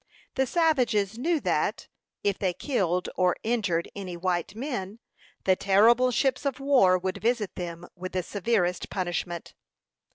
The savages knew that, if they killed or injured any white men, the terrible ships of war would visit them with the severest punishment.